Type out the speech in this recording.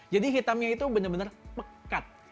jadi hitamnya itu bener bener pekat